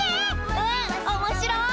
うんおもしろい。